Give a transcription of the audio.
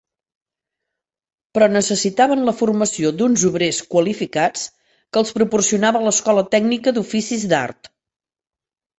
Però necessitaven la formació d'uns obrers qualificats que els proporcionava l'Escola Tècnica d'Oficis d'Art.